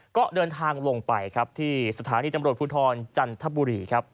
ก็เดินทางลงไปที่สถานีตำรวจภูทรจันทบุรี